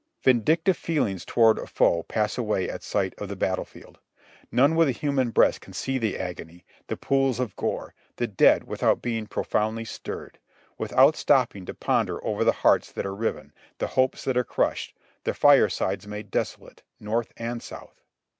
Vindictive feelings toward a foe pass away at sight of the battle field. None with a human breast can see the agony, the pools of gore, the dead without being profoundly stirred — with out stopping to ponder over the hearts that are riven ; the hopes that are crushed ; the firesides made desolate. North and South.